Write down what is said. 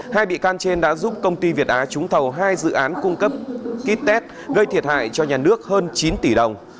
hai bị can trên đã giúp công ty việt á trúng thầu hai dự án cung cấp kit test gây thiệt hại cho nhà nước hơn chín tỷ đồng